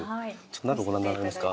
中ご覧になられますか。